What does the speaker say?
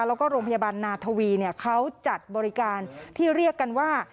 แล้วก็โรงพยาบาลนาทวีเขาจัดบริการที่เรียกกันว่า